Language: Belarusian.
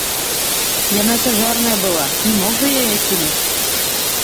Яна цяжарная была, не мог жа я яе кінуць.